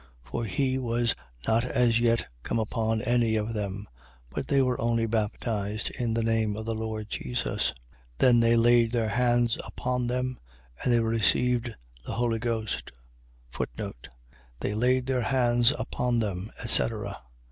8:16. For he was not as yet come upon any of them: but they were only baptized in the name of the Lord Jesus. 8:17. Then they laid their hands upon them: and they received the Holy Ghost. They laid their hands upon them, etc. ..